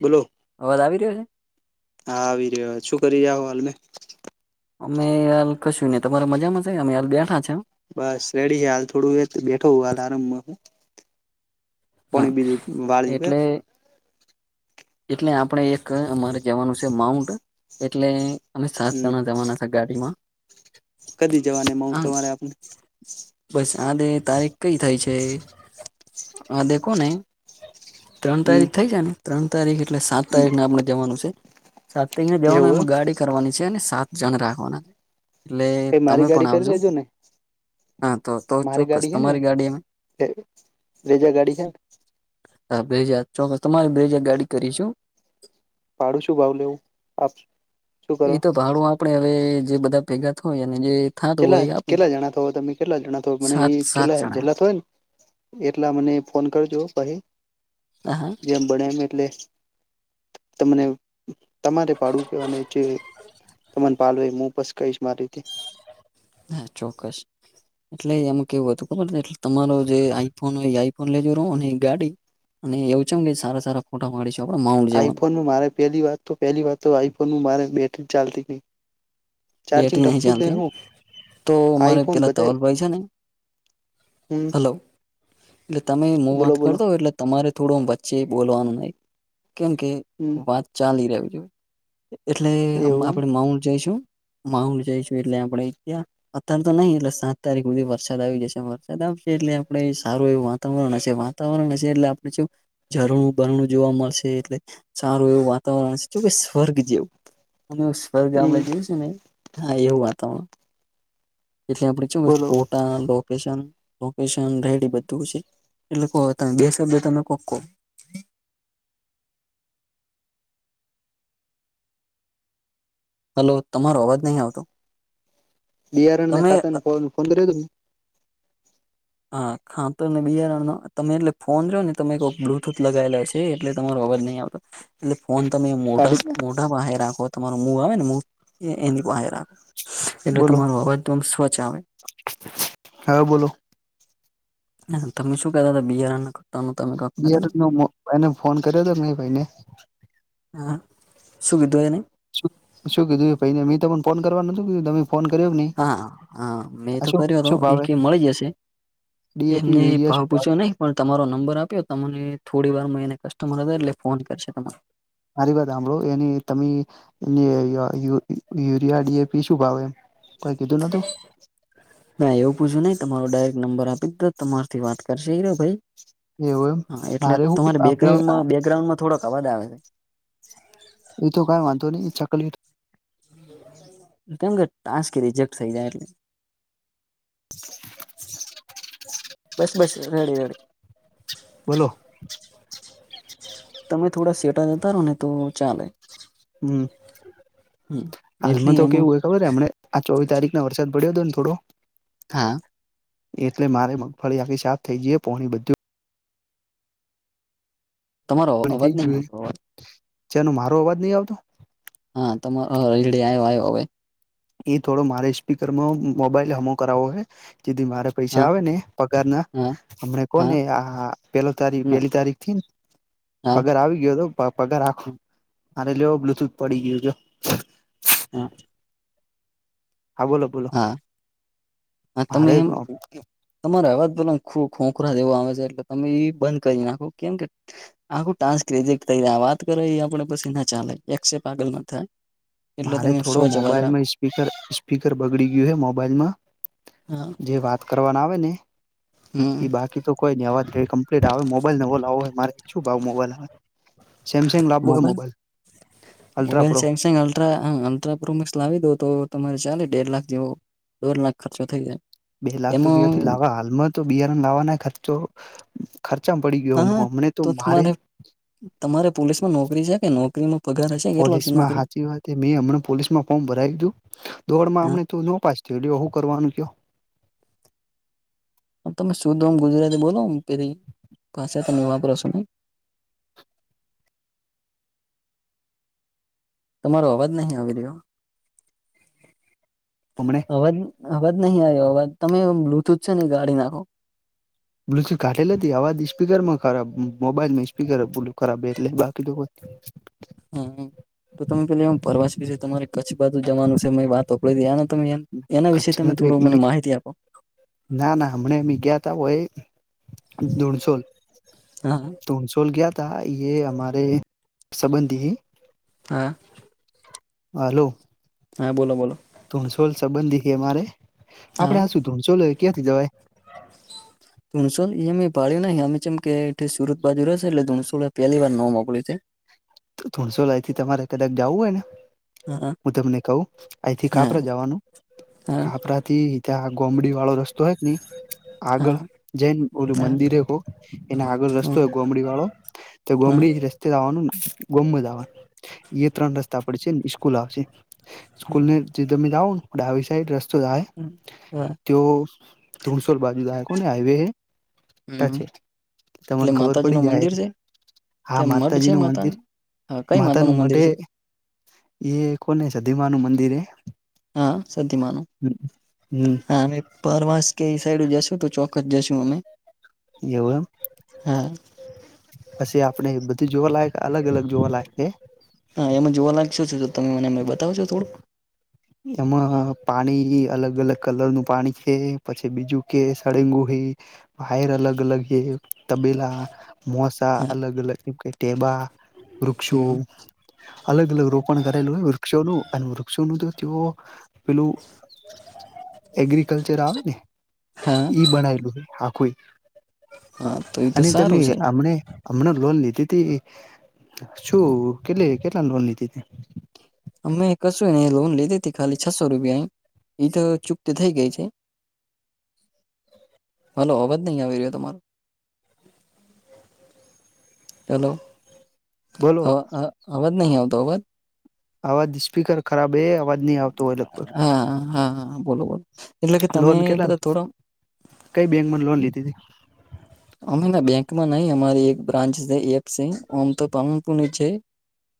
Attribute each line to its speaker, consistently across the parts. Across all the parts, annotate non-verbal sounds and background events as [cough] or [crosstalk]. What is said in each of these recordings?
Speaker 1: બોલો.
Speaker 2: અવાજ આવી રહ્યો છે.
Speaker 1: હા આવી રહ્યો શું કરી રયા હાલ મેં?
Speaker 2: અમે હાલ કશું ને તમારા મજામાં છે અમે હાલ બેઠા છે.
Speaker 1: બસ રેડી છે હાલ થોડું એ બેઠો હાલ આરામમાં હું.
Speaker 2: હા
Speaker 1: કોણી બીજ વાળી
Speaker 2: એટલે
Speaker 1: [unintelligible]
Speaker 2: એટલે આપડે એક અમારે જવાનું છે માઉન્ટ એટલે અમે
Speaker 1: હમ
Speaker 2: સાતણા જવાના ગાડી માં
Speaker 1: કદી જવાની માઉન્ટ તમારે આપને?
Speaker 2: બસ આ દે તારીખ કઈ થાય છે આ દેખોને ત્રણ
Speaker 1: હમ
Speaker 2: તારીખ થઈ જાય ને ત્રણ તારીખ એટલે સાત
Speaker 1: હમ
Speaker 2: તારીખને આપણે જવાનું છે. સાત તઈને જેવાનું
Speaker 1: એવું
Speaker 2: એમાં
Speaker 1: એમ
Speaker 2: ગાડી કરવાની છે અને સાત જણ રાખવાના છે. એટલે
Speaker 1: કઈ
Speaker 2: તમે
Speaker 1: મારી ગાડી
Speaker 2: પણ
Speaker 1: કરી
Speaker 2: આવજો.
Speaker 1: લેજો ને
Speaker 2: હા તો તો
Speaker 1: મારી
Speaker 2: ચોક્કસ
Speaker 1: ગાડી હે
Speaker 2: તમારી ગાડીમાં
Speaker 1: ને રેજા ગાડી છે ને
Speaker 2: હા બેજ ચોક્કસ તમારી બેજ ગાડી કરીશું.
Speaker 1: પાડું શું ભાવ લેવું આપ શું
Speaker 2: એ
Speaker 1: કરો
Speaker 2: તો ભાડું આપણેે હવે જે બધા ભેગા થયને જે થતું હોય
Speaker 1: ચેલા
Speaker 2: એ આપી
Speaker 1: કેટલા જણા થો તમે કેટલા જણા થ મને
Speaker 2: સાત
Speaker 1: એ
Speaker 2: સાત
Speaker 1: કેટલા
Speaker 2: જણા
Speaker 1: જેલા થય ને એટલા મને ફોન કરજો ભાઈ
Speaker 2: હા હા
Speaker 1: જેમ બને એમ એટલે તમને તમારે પાડું કેવા અને ચજે તમને પાલય હું બસ કઈશ મારી રીતે
Speaker 2: હા ચોક્કસ એટલે એમ કેવું હતું ખબર એટલે તમારો જે આઈફોન હોય આઈફોન લેજ રહો ને એક ગાડી અને એવું છે એમ સારા સારા ફોટા પાડીશુ આપડે માઉન્ટ જવાનું
Speaker 1: આઈફોન ન મારે પેલી વાત તો પહેલી વાત તો આઈફોન ન મારે બેટરી ચાલતી નઈ ચાર્જિંગ
Speaker 2: બેટરી
Speaker 1: ટપતું જ
Speaker 2: ચાલતી
Speaker 1: નહી
Speaker 2: એમ
Speaker 1: હુ
Speaker 2: તો મારે
Speaker 1: આઈફોન
Speaker 2: પેલા
Speaker 1: બધાં
Speaker 2: ધવલભાઈ છે ને
Speaker 1: હમ
Speaker 2: હલો એટલે તમે હું
Speaker 1: બોલો
Speaker 2: વાત કર
Speaker 1: બોલો
Speaker 2: દો એટલે તમારે થોડું વચ્ચે બોલવાનું નહી કેમકે
Speaker 1: હમ
Speaker 2: વાત ચાલી રહેવી જોઈએ એટલે
Speaker 1: એવું
Speaker 2: આપણે માઉન્ટ જઈશું. માઉડ જઈશું એટલે આપડે ત્યાં અત્યારે તો નહી એટલે સાત તારીખ સુધી વરસાદ આવી જશે વરસાદ આવશે એટલે આપણે સારું એવું વાતાવરણ હશે વાત વાતાવરણ હશે એટલે આપણે જે ઝરણું બરણું જોવા મળશે એટલે સારું એવું વા તાવરણ જો કે સ્વર્ગ જેવું અમે સ્વર્ગ
Speaker 1: હમ
Speaker 2: આપડે જોવ છે ને હા એવું વાતાવરણ એટલે આપડી ચેવુસ્
Speaker 1: બોલો
Speaker 2: ફોટા લો શન લોકેશન રાઇડ એ બધું હશે એટલે ત બેબ સભ્ય તમે કોક કો હલો તમારો અવાજ નહીં આવતો
Speaker 1: બિયારણ ના
Speaker 2: તમે
Speaker 1: ખાતા ફોન [unintelligible] કર્યો
Speaker 2: હા ખા તોને બિયારણ ન તમે એટલે ફોનો ને તમે કો [unintelligible] ટુથ લગેલા છે એટલે તમારો અવાજ નહી આવતો એટલે ફોન તમે મોટા
Speaker 1: કાઢી
Speaker 2: મો હાય રાખો તમારું મુ આવે ને મુ એની બાહ રાખો. એટલે તમારો અવાજ તોમ સ્વચ્છ આવે.
Speaker 1: હવે બોલો
Speaker 2: તમે શું કતા હતા બિયારાણ
Speaker 1: બિયારણ ન મો એને ફોન કર્યો હતો મે ભાઈને
Speaker 2: હ શું કીધું એને
Speaker 1: શું શું કીધું ભઇ ને મેં તો પણ ફોન કરવા નો નતુ કીધું તમે ફોન કર્યો કે નહી
Speaker 2: હા હા મેં
Speaker 1: આ
Speaker 2: તો
Speaker 1: શું
Speaker 2: કર્યો હો
Speaker 1: શું
Speaker 2: એ
Speaker 1: ભાવે
Speaker 2: કે મળી જશે
Speaker 1: ડીએપી
Speaker 2: એમને
Speaker 1: યુરિયા
Speaker 2: પાવ
Speaker 1: શું
Speaker 2: પૂછો
Speaker 1: ભાવે
Speaker 2: નહી પણ તમારો નંબર આપ્યો તમને થોડી વાર મ એને કસ્ટમર હતા એટલે ફોન કરશે તમારે
Speaker 1: મારી વાત સાંભળો એની તમે એ યુ યુરિયાડીએપી શું ભાવે એમ કોઈ કીધું નતું.
Speaker 2: ના એવું પૂછું નહી તમારો ડાયરેક્ટ નંબર આપી દીધ તમારથી વાત કરશે હઈરા ભાઈ
Speaker 1: એવું એમ
Speaker 2: હા એટલે
Speaker 1: મારે હું
Speaker 2: તમારે
Speaker 1: આપડે
Speaker 2: બેકગ્રાઉન્ડમાં બેકગ્રાઉન્ડમાં થોડોક અવાજ આવે છે.
Speaker 1: એ તો કઈ વાંધો નહી ચકલીટ
Speaker 2: કેમ કે ટાસ્ક રિજેક્ટ થઈ જાય એટલે બસ બસ નોડી નોડી
Speaker 1: બોલો.
Speaker 2: તમે થોડા સેટા જતા રહો ને તો ચાલે
Speaker 1: હમ
Speaker 2: હમ એટલે
Speaker 1: હાલમાં તો
Speaker 2: એમાં
Speaker 1: કેવું હોય ખબર હમને આ ચોવી તારીખ ના વરસાદ પડ્યો હતો ને થોડો
Speaker 2: હા
Speaker 1: એટલે મારે મગફળી આખી સાફ થઈ જઈે પોહણી બધું.
Speaker 2: તમારો
Speaker 1: થ
Speaker 2: અવાજ નહી
Speaker 1: ગયું
Speaker 2: આવતો અવાજ
Speaker 1: જેનો મારો અવાજ નઈ આવતો.
Speaker 2: હા તમારો રેડે આવ્યો આવ્યો હવે
Speaker 1: એ થોડો મારે સ્પીકરમાં મોબાઈલ હમો કરાવો હ જેથી મારે પૈસા
Speaker 2: હા
Speaker 1: આવે ને પગાર ના
Speaker 2: હા
Speaker 1: હમને
Speaker 2: હા
Speaker 1: કોને આ પેલો તારી
Speaker 2: ના
Speaker 1: પેલી તારીખ થી ને
Speaker 2: હા
Speaker 1: પગાર આવી ગયો હતો. પગારો આખો મારે લેવો બ્લુટૂથ પડી ગયો જો.
Speaker 2: હા
Speaker 1: હા બોલો બોલો
Speaker 2: હા હા તમે
Speaker 1: મારે
Speaker 2: એમ તમારે અવાજ પેલો ખો ખોખરા જેવો આવે છે એટલે તમે એ બંધ કરી નાખો. કેમ કે, આખું ટાસ્ક રીજેક્ટ થઈ જાય. વાત કરો એ આપણે પછી ના ચાલે. એકસેપ આગળ ના થાય. એટલે
Speaker 1: મારે
Speaker 2: તમે
Speaker 1: થોડો
Speaker 2: સ્વચ્છ અવાજ
Speaker 1: મોબાઈલ
Speaker 2: રાખો
Speaker 1: માં [unintelligible] સ્પીકર સ્પીકર બગડી ગયું હે મોબાઈલમાં.
Speaker 2: હા
Speaker 1: જે વાત કરવાના આવે ને
Speaker 2: હમ
Speaker 1: એઈ બાકી તો કોઈ નઈ અવાજ કમ્પ્લીટ આવે મોબાઈલ નવો લાવો હે મારે. શું ભાવ મોબાઈલ આવે? સેમસંગ લાવવો હે mobile ultra
Speaker 2: mobile
Speaker 1: pro
Speaker 2: Samsung આ હા અલ્ટ્રાપ્રોમક્સ લાવી દો તો, તમારે ચાલે દોઢ લાખ જેવો દોઢ લાખ ખર્ચો થઈ જાય.
Speaker 1: બે લાખ તો
Speaker 2: એમાં
Speaker 1: બીયોથી લાવવા. હાલમાં તો બિયારણનો લાવવાના ખર્ચો ખર્ચામ પડી ગયો
Speaker 2: હા હા
Speaker 1: હું. હમને તો મારે
Speaker 2: તમારે તમારે પોલીસમાં નોકરી છે કે, નોકરીમાં પગાર હશે એટલે નોકરી
Speaker 1: તે મેં હમણાં પોલીસમાં ફોર્મ ભરાવી દીધું. દોડમાં
Speaker 2: હા
Speaker 1: હમણે તો નોપાસ થીયો. લયો હું કરવાનું કયો.
Speaker 2: તમે શુદ્ધ ઓમ ગુજરાતી બોલો ને પેલી. ભાષા તમે વાપરો છો નહી. તમારો અવાજ નહીં આવી રહ્યો
Speaker 1: હમણે
Speaker 2: અવાજ અવાજ નહી આવ્યો. અવાજ તમે બ્લુટૂથ છે ને, કાઢી નાખો.
Speaker 1: બ્લુટુથ કાઢી લે. તે અવાજ સ્પીકરમાં ખરાબ, મોબાઈલ માં સ્પીકર [unintelligible] ખરાબ એટલે બાકી તો [inaudible]
Speaker 2: હમ તો તમે પેલા પરવાસ તમારે કચ્છ બાજુ જવાનું છે [unintelligible] તમેને એના વિશેે તમે
Speaker 1: કચ્છનું તો
Speaker 2: થોડો મને
Speaker 1: એ
Speaker 2: માહિતી આપો.
Speaker 1: ના ના હમણા બી ગયા ત હોય. દૂણસોલ
Speaker 2: હા
Speaker 1: તોનસોલ ગ્યા તા. ઈ એ અમારે સંબંધી
Speaker 2: હા
Speaker 1: હાલો
Speaker 2: હા બોલો બોલો
Speaker 1: ધૂણસોલ સંબંધી હે મારે.
Speaker 2: હા
Speaker 1: આપડે આ શું ધૂણસોલ ક્યાંથી જવાય?
Speaker 2: [inaudible] ધૂણસોલ, ઈ અમે ભાળ્યું નહીં અમે જેમ કે, સુરત બાજુ રહેશે એટલે ધૂણસોલ પહેલી વાર નોમ હોભળ્યુ છે.
Speaker 1: તો ધોણસો લાઈ થી તમારે કદાક જવું હોય ને!
Speaker 2: હા
Speaker 1: હું તમને કહું આહીથી
Speaker 2: હા
Speaker 1: કાપરા જવાનું
Speaker 2: હા
Speaker 1: કાપરા થી ત્યાં ગોમડી વાળો રસ્તો હો ક ની
Speaker 2: હા
Speaker 1: આગળ જૈન ઓલું
Speaker 2: હા
Speaker 1: મંદિરે હો એને આગળ રસ્તો
Speaker 2: હમ
Speaker 1: ગોમડી વાળો તો
Speaker 2: હા
Speaker 1: ગોમડી રસ્તે આવાનું ને ગોમમાં જવાનું. એ ત્રણ રસ્તા પડ છે ને સ્કૂલ આવશે. સ્કૂલ ને
Speaker 2: હમ
Speaker 1: જે તમે જાઓ ને ડાબી સાઈડ રસ્તો આવે
Speaker 2: હ હા
Speaker 1: તેઓ ધુણસોલ બાજુ જાય હાકો [unintelligible] ને હાઇવે
Speaker 2: હમ
Speaker 1: પછી
Speaker 2: એટલે
Speaker 1: તમને ખબર
Speaker 2: માતાજી
Speaker 1: પડી
Speaker 2: નું
Speaker 1: જાહે.
Speaker 2: મંદિર છે
Speaker 1: હા
Speaker 2: ત્યાં મઢ છે
Speaker 1: માતાજી નું મંદિર
Speaker 2: માતાનું હા કઈ
Speaker 1: માતા નું
Speaker 2: મંદિર
Speaker 1: મઢે.
Speaker 2: છે
Speaker 1: એ કોને સધીમા નું મંદિર એ
Speaker 2: હા સધીમાનું
Speaker 1: હમ
Speaker 2: હા પરવાસ કે સાઈડ જશું તો ચોક્કસ જશું અમે
Speaker 1: એવું એમ!
Speaker 2: હા
Speaker 1: પછી આપણે બધું જોવાલાયક અલગ અલગ જોવાલાયક છે.
Speaker 2: હા એમે જોવા લાગશો છ તમે મને બતાવશો થોડું?
Speaker 1: એમાં પાણી અલગ અલગ કલર નું પાણી છે પછી બીજું કે સળેંગુહે. વાયર અલગ અલગ હે તબેલા. મોસા
Speaker 2: હા
Speaker 1: અલગ અલગ કેમ કે ટેબા વૃક્ષો.
Speaker 2: હમ
Speaker 1: અલગ અલગ રોપણ કરેલું હોય વૃક્ષોનું અને વૃક્ષોનું તો તેઓ. પેલું એગ્રિકલ્ચર આવે ને
Speaker 2: હા
Speaker 1: ઈ બનાયલું છે. આખું
Speaker 2: હા તો એ તો
Speaker 1: અને તમે
Speaker 2: સારું છે
Speaker 1: અમને. હમણાં લોન લીધી તી શું કેટલી કેટલા લોન લીધીતી.
Speaker 2: અમે કશું ને લોન લીધી હતી ખાલી છસો રૂપિયા એ તો ચુપત થઇ ગઈ છે. હલો અવાજ નહી આવી રહ્યો તમારો. ચલો
Speaker 1: બોલો
Speaker 2: હ અવાજ નહી આવતો અવાજ.
Speaker 1: અવાજ સ્પીકર ખરાબ એ અવાજ નહી આવતો હોય લગભગ.
Speaker 2: હા હા હા બોલો બોલો એટલે કે તમે
Speaker 1: લોન કેટલા
Speaker 2: બધા થોડા.
Speaker 1: કઈ બેંકમાં લોન લીધી તી.
Speaker 2: અમે બેંકમાં નહી અમારી એક બ્રાન્ચ છે એ આમ તો પાનપુ છે.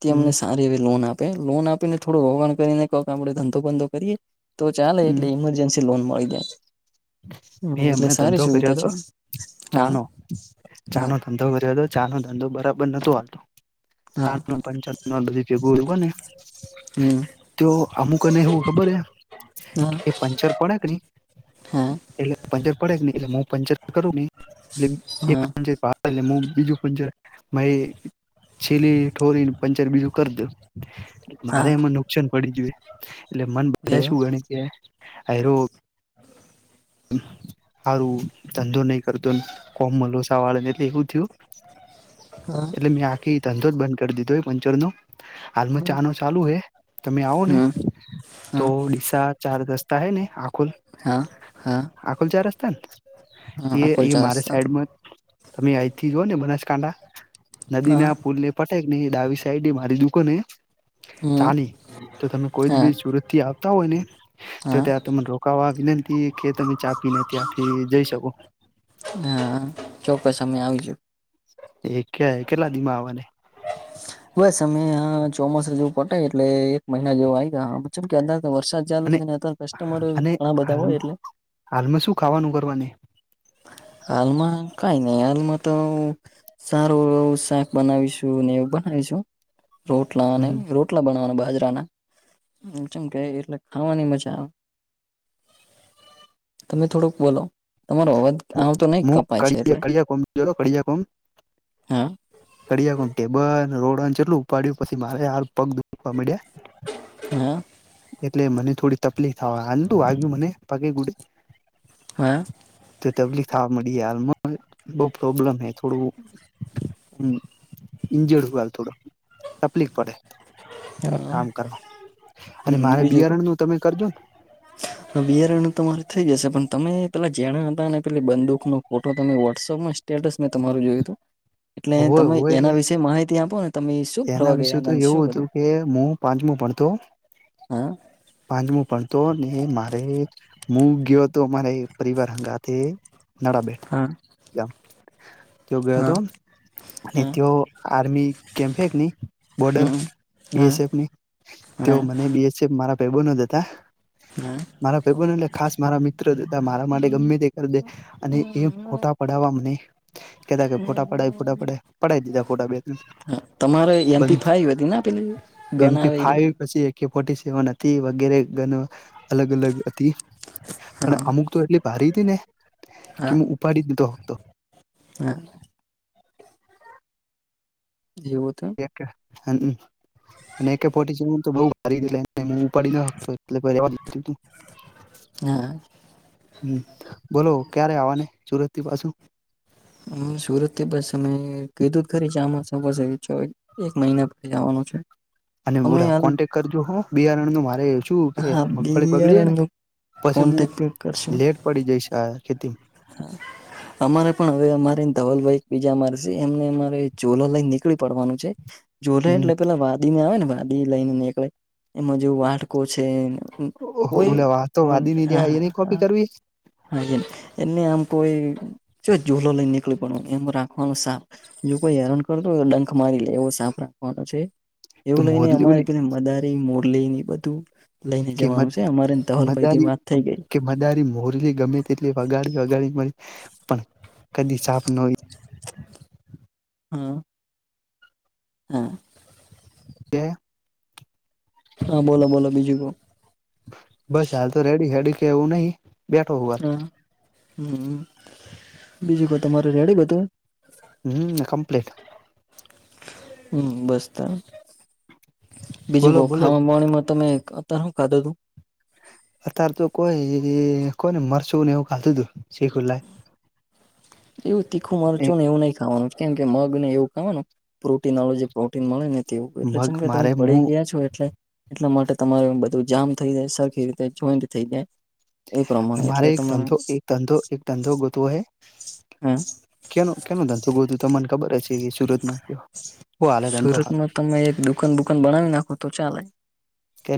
Speaker 2: તે
Speaker 1: હમ
Speaker 2: અમને સારી એવી લોન આપે લોન આપીને થોડું રોકાણ કરીને કઈક આપણે ધંધો બંધો કરીએ. તો ચાલે એટલે ઇમરજન્સી લોન મળી જાય. હમ્મ,
Speaker 1: મે
Speaker 2: એટલે
Speaker 1: એમને
Speaker 2: સારી
Speaker 1: ધંધો કર્યો
Speaker 2: સુવિધા છે
Speaker 1: હતો
Speaker 2: હા
Speaker 1: ચાનો
Speaker 2: હા
Speaker 1: ચાનો. ધંધો કર હતો ચાાલો ધંધો બરાબ નહોતોો આવતો.
Speaker 2: હા
Speaker 1: પંચા બધી ભેગું ને.
Speaker 2: હમ
Speaker 1: તો અમુકને એવું ખબર હ
Speaker 2: હા
Speaker 1: કે પંચર પડે નહી.
Speaker 2: હા
Speaker 1: એટલે પંચર પડેને એટલે હું પંચર કરું ને એટ પ.
Speaker 2: હા
Speaker 1: એ હ બીજું પણ છે. છેીલી ઠોરીને પંચર બીજું કરી દો મારે
Speaker 2: હા
Speaker 1: એમાં નુકસાન પડી જોયએ. એટલે મન બધા
Speaker 2: એવા
Speaker 1: શું ગણ કે અ. સારું ધંધો નહી કરતો કોમ મલોસા વાળ ને એટલે એવું થયું.
Speaker 2: હા
Speaker 1: એટલે મેં આખી ધંધો જ બંધ કરી દીધો એ પંચર નો. હાલમાં
Speaker 2: હા
Speaker 1: ચાનો ચાલુ હે તમે આવો ને.
Speaker 2: હમ
Speaker 1: તો
Speaker 2: હા
Speaker 1: નિશા ચાર રસ્તા હૈ ને આખો.
Speaker 2: હા હા.
Speaker 1: અકોલ ચાર રસ્તા ને
Speaker 2: હા
Speaker 1: એ એ
Speaker 2: અકુલચા
Speaker 1: મારે
Speaker 2: રસ્તા
Speaker 1: સાઈડ મ. તમે અહીંથી જ ને બનાસકાંઠા. નદી
Speaker 2: હા
Speaker 1: ના પુલ ને પટક ને ડાવી સાઈડ મારી દુકોને.
Speaker 2: હમ
Speaker 1: ચાલી તો તમે કોઈ
Speaker 2: હા
Speaker 1: બી સુરત થી આવતા હોય ને. તો
Speaker 2: હા
Speaker 1: ત્યાં તમને રોકાવા વિનંતી કે તમે ચાપીને ત્યાંથી જઈ શકો.
Speaker 2: હા ચોક્કસ અમે આવીશું.
Speaker 1: એ ક કેટલા દિમા આવવાને.
Speaker 2: બસમે ચોમાસ જેવું પટાય એટલે એક મહિના જેવ આવી ગયામ કે અ વરસાદ. ચાલુ
Speaker 1: અને
Speaker 2: છેને અ કસ્ટમર
Speaker 1: અને
Speaker 2: ઘણા બધા
Speaker 1: હાલ
Speaker 2: હોય એટલે.
Speaker 1: હાલમાં શું ખાવાનું કરવાની.
Speaker 2: અાલમાં કઈ નહી આલમાં તો સારું એવું શાક બનાવીશું એવું બનાવીશું રોટલાને
Speaker 1: હમ
Speaker 2: રોટ. કેટલા બવાના બાજરાનામ કે એટલે ખાવાની મજા આવે. તમે થોડુંક બોલો તમારો. આવતો નહી
Speaker 1: મુખ ક
Speaker 2: કપાય છે એટલે
Speaker 1: કિયા કોમ કળિયા કોમ.
Speaker 2: હા
Speaker 1: કરી ટેબલ રોડ જેટલું ઉપાડ્યું પછી મારે પગ. કોમેીડિયા.
Speaker 2: હા
Speaker 1: એટલે મને થોડી તકલીફ હું આવ્યું મને પગે ગુડે.
Speaker 2: [unintelligible]
Speaker 1: તો તકલીફ આ મળી હાલમાં બો પ્રોબ્લેમ હે થોડું હમ ઇન્જડ હાલ થોડો તકલીફ પડે કામ
Speaker 2: હા
Speaker 1: કરવા અને મારે બિયારણનું તમે કરજો
Speaker 2: હ બિયારણ તમારી થઈ જશે પણ તમે પેલા જેણા હતા ને પેલી બંદૂકનો ફોટો તમે વોટ્સઅપમાં સ્ટેટસ મેં તમારું જોયું હતું એટલે
Speaker 1: હોય
Speaker 2: તમે
Speaker 1: હોય
Speaker 2: એના વિશે માહિતી આપો ને તમે શું ફરવા
Speaker 1: એના વિશે
Speaker 2: ગયા
Speaker 1: તો
Speaker 2: હતા ને શું
Speaker 1: એવું હતું
Speaker 2: બધું
Speaker 1: કે હું પાંચમું ભણતો
Speaker 2: હા
Speaker 1: પાંચમું ભણતો ને મારે હું ગયો હતો અમારે પરિવાર હંગાથે નાડા બેેટ
Speaker 2: હા
Speaker 1: ગામ તે ગયો
Speaker 2: હા
Speaker 1: હતો અને
Speaker 2: હા
Speaker 1: તેઓ આર્મી કેમફેકની બોર્ડર
Speaker 2: હમ
Speaker 1: બી
Speaker 2: હા
Speaker 1: એસ એફ ની તેઓ
Speaker 2: હા
Speaker 1: મને બી એસ એફ મારા ભાઈબંધો જ તા
Speaker 2: હા
Speaker 1: મારા ભાઈબંધો એટલે ખાસ મારા મિત્રતા જ હતા મારા માટે ગમે તે કરી દે અને એ ફોટા પડાવા અમને કેતા કે ફોટા પડાય ફોટા પડાય પડાય દીધા ફોટા બે ત્રણ
Speaker 2: હા તમારે એમપી
Speaker 1: બંધ
Speaker 2: ફાઈવ હતી ના પેલી ગન
Speaker 1: એમપી
Speaker 2: આવેરી
Speaker 1: ફાઈવ પછી એકે ફોટી સેવન હતી વગેરે ગનો અલગ અલગ હતી પણ
Speaker 2: હા
Speaker 1: અમુક તો એટલી ભારી હતી ને કે
Speaker 2: હા
Speaker 1: પાડી દીધો હતો
Speaker 2: [unintelligible] જેવો તે
Speaker 1: એક [unintelligible] અને એકે ફોટી સેવન તો બો ભારી એટલે તેને ઉપાડી ના [unintelligible]
Speaker 2: ના.
Speaker 1: હુ બોલો ક્યારે આવાને સુરતથી પાછું
Speaker 2: હું સુરતથી બસ અમે કીધું ખરી જમા [unintelligible] એક મહિના પહી જાવાનું છે.
Speaker 1: અને
Speaker 2: અમે
Speaker 1: [unintelligible]
Speaker 2: હાલ
Speaker 1: કોન્ટેક કરજો હાં બિયારણનું મારે કેવું કે
Speaker 2: હા
Speaker 1: આ મગફળી બગડી જાયને
Speaker 2: બિયારણ નો
Speaker 1: પછી મુ
Speaker 2: કોન્ટેક્ટ
Speaker 1: લેટ પડી જાય છે, આ ખેતી
Speaker 2: હા. અમારે પણ હવે અમારે ધવલભાઈ એક બીજા મારશે એમને અમારે ચૂલો લઈને નીકળી પડવાનું છે. જોલે
Speaker 1: હમ
Speaker 2: એટલે પેલા વાદી ને આવે ને વાદી લઈને નીકળે એમાં જો વાટકો છે. હમ્મ કોઈ
Speaker 1: ઓલા વાતો વાદી ની
Speaker 2: હા
Speaker 1: રહ્યા એની કોપી
Speaker 2: હા
Speaker 1: કરવી
Speaker 2: હા એ એને આમ કોઈ જો ઝૂલો લઈ ને નીકળ્યો પણ એમ રાખવાનું સા જો કોઈ હેરાન કરતો હોય તો ડંખ મારી લે એવો સાફ રાખવાનો છે.
Speaker 1: તો
Speaker 2: એવું લઈને
Speaker 1: મોરલી
Speaker 2: અમારે
Speaker 1: ઓલી
Speaker 2: પેલી મદારી મુરલીને બધું લઈને
Speaker 1: કે
Speaker 2: જવાનું છે, અમારે ધવલ ભાઈથી વાત થઈ ગઈ
Speaker 1: તારી મોરલી ગમે તેટલી વગાડી વગાડી મારી પણ કદી સાફ ન
Speaker 2: હ. હા. હા બોલો બોલો બીજું કો
Speaker 1: બસ હાલ તો રેડી હેડી એવું નહી બેઠો હું હાલ
Speaker 2: હા હમ બીજું કોઈ તમારે રેડી બધું?
Speaker 1: હમ કમપ્લીટ
Speaker 2: હમ બસ તો બીજું
Speaker 1: બોલો
Speaker 2: કો
Speaker 1: બોલો
Speaker 2: ખાવા બાવાણીમા તમે એક તા હું ખાધું તુ
Speaker 1: અત્યાર તો કોઈ કોને મરચુ ને એવું ખાધું તું શીખુલાય
Speaker 2: એવું તીખું મરચું ને એવું નહી ખાવાનું કેમ કે મગ ને એવું ખાવાનું પ્રોટીન વાળું જે પ્રોટીન મળે ને તેવું એટલે
Speaker 1: મગ
Speaker 2: જેમ કે તમે
Speaker 1: મારે
Speaker 2: પડી
Speaker 1: હું
Speaker 2: ગયા છો એટલે એટલા માટે તમારે બધું જામ થઈ જાય સરખી રીતે જોઈન્ટ થઈ જાય એ પ્રમાણે
Speaker 1: મારે
Speaker 2: એટલે
Speaker 1: એક
Speaker 2: તમારે
Speaker 1: ધંધો એક ધંધો એક ધંધો ગોતવો હે
Speaker 2: હમ્મ
Speaker 1: કેનો કેનો ધંધો ગોતો તો તમને ખબર ઈ જ છે કે સુરત માં વો હાલે ધંધો હરો.
Speaker 2: સુરતમાં તમે એક દુકાન દુકાન બનાવી નાખો તો ચલે.
Speaker 1: કે